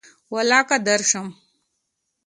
ولاکه درشم